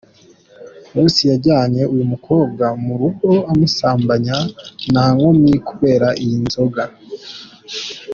Ross yajyanye uyu mukobwa mu rugo amusambanya ntankomyi kubera iyi nzoga.